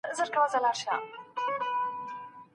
خوبس هيڅ پوه نه سوم نادان ومه زه